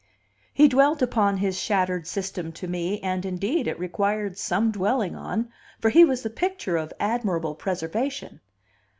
He dwelt upon his shattered system to me, and, indeed, it required some dwelling on, for he was the picture of admirable preservation.